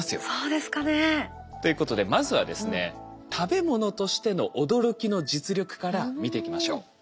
そうですかね。ということでまずはですね食べ物としての驚きの実力から見ていきましょう。